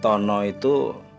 dengan saya mengejar hartono itu